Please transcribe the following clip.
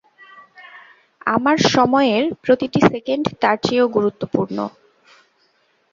আমার সময়ের প্রতিটি সেকেন্ড তার চেয়েও গুরুত্বপূর্ণ।